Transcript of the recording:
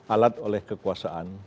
alat oleh kekuasaan